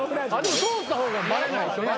通った方がバレないですよね